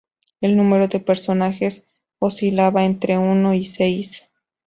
El número de personajes oscilaba entre uno y seis.